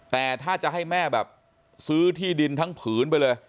แต่ถ้าจะให้แม่แบบซื้อที่ดินทั้งผืนไปเลย